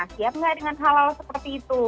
siap nggak dengan hal hal seperti itu